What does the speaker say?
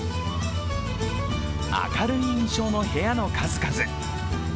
明るい印象の部屋の数々。